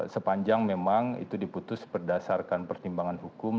sepanjang memang itu diputus berdasarkan pertimbangan hukum